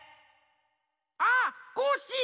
あっコッシー！